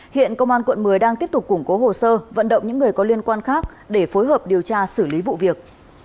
hiện công an quận một mươi đang tiếp tục củng cố hồ sơ vận động những người có liên quan khác để phối hợp điều tra xử lý vụ việc